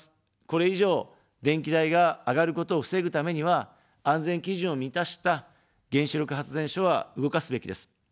これ以上、電気代が上がることを防ぐためには、安全基準を満たした原子力発電所は動かすべきです。